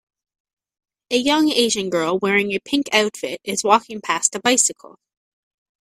A young Asian girl wearing a pink outfit is walking past a bicycle.